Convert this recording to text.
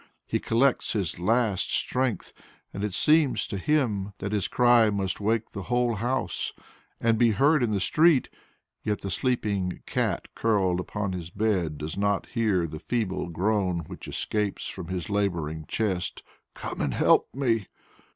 He collects his last strength; it seems to him that his cry must wake the whole house and be heard in the street, yet the sleeping cat curled up on his bed does not hear the feeble groan which escapes from his labouring chest, "Come and help me!"